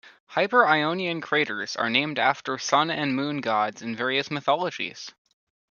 Hyperionian craters are named after sun and moon gods in various mythologies.